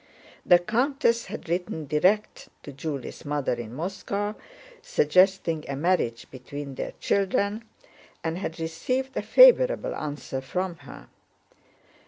The countess had written direct to Julie's mother in Moscow suggesting a marriage between their children and had received a favorable answer from her.